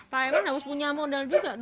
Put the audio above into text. pak eman harus punya modal juga